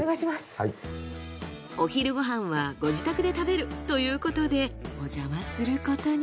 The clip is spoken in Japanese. お昼ご飯はご自宅で食べるということでおじゃますることに。